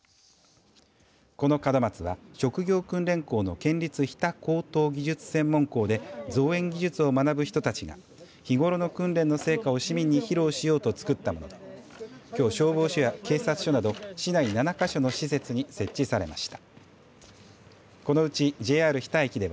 この門松は職業訓練校の県立日田高等技術専門校で造園技術などを学ぶ人たちが日頃の訓練の成果を市民に披露しようと作ったものできょう消防署や警察署など市内７か所の施設に設置されました。